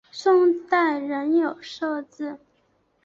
宋代仍有设置。